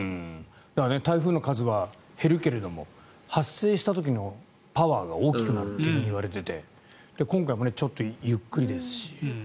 台風の数は減るけども発生した時のパワーが大きくなるといわれていて今回もちょっとゆっくりですし。